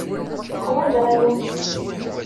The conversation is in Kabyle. Ḥwajeɣ aya.